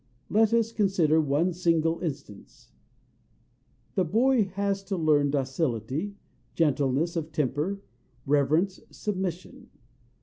Let us consider one single instance. The boy has to learn docility, gentleness of temper, reverence, submission.